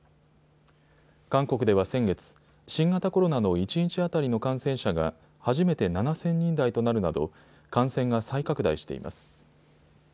韓国では先月、新型コロナの一日当たりの感染者が初めて７０００人台となるなど感染が再拡大しています。